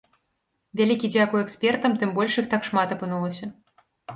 Вялікі дзякуй экспертам, тым больш іх так шмат апынулася.